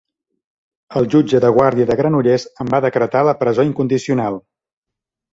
El jutge de guàrdia de Granollers en va decretar la presó incondicional.